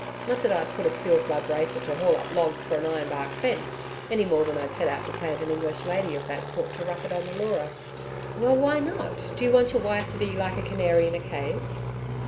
Not that I'd put a pure blood racer to haul up logs for an iron bark fence: any more than I'd set out to plant an English lady of that sort to rough it on the Leura.' 'Well, why not? Do you want your wife to be like a canary in a cage?'